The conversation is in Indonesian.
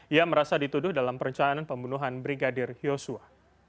ia merasa dituduh dalam perencanaan pembunuhan brigadir yosua